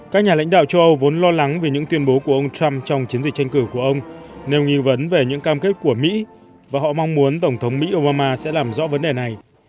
các nhà lãnh đạo châu âu vốn lo lắng về những tuyên bố của ông trump trong chiến dịch tranh cử của ông nêu nghi vấn về những cam kết của mỹ và họ mong muốn tổng thống mỹ obama sẽ làm rõ vấn đề này